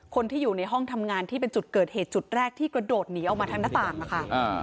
คนที่อยู่ในห้องทำงานที่เป็นจุดเกิดเหตุจุดแรกที่กระโดดหนีออกมาทางหน้าต่างนะคะ